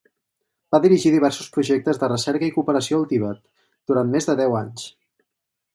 Va dirigir diversos projectes de recerca i cooperació al Tibet durant més de deu anys.